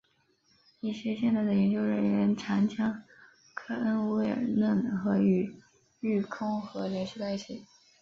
一些现代的研究人员常将科恩威尔嫩河与育空河联系在一起。